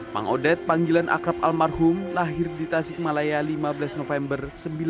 mang odet panggilan akrab almarhum lahir di tasikmalaya lima belas november seribu sembilan ratus enam puluh sembilan